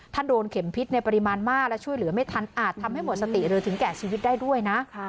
โดนเข็มพิษในปริมาณมากและช่วยเหลือไม่ทันอาจทำให้หมดสติหรือถึงแก่ชีวิตได้ด้วยนะ